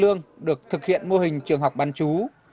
trường học sơn lương được thực hiện mô hình trường học bán chú